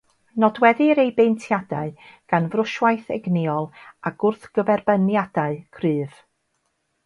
Nodweddir ei baentiadau gan frwshwaith egnïol a gwrthgyferbyniadau cryf.